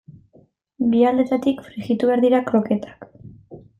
Bi aldeetatik frijitu behar dira kroketak.